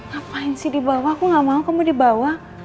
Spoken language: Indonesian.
ngapain sih di bawah aku gak mau kamu dibawa